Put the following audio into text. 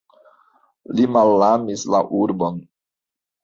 Li malamis la urbon.